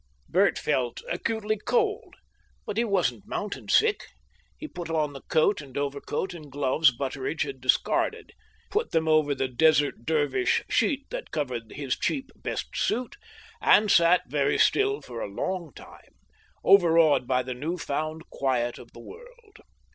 Bert felt acutely cold, but he wasn't mountain sick; he put on the coat and overcoat and gloves Butteridge had discarded put them over the "Desert Dervish" sheet that covered his cheap best suit and sat very still for a long, time, overawed by the new found quiet of the world.